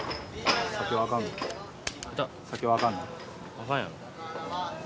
あかんやろ。